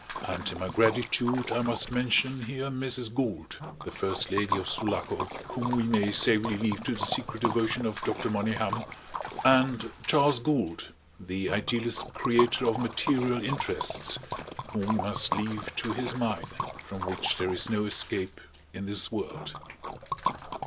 And in my gratitude I must mention here Mrs. Gould, "the first lady of Sulaco," whom we may safely leave to the secret devotion of Dr. Monygham, and Charles Gould, the Idealist creator of Material Interests whom we must leave to his Mine from which there is no escape in this world.